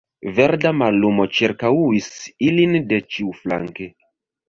Verda mallumo ĉirkaŭis ilin de ĉiuflanke.